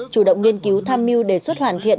chủ động nghiên cứu tham mưu đề xuất hoàn thiện